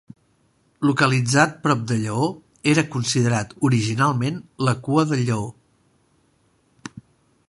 Localitzat prop de Lleó, era considerat originalment la cua del Lleó.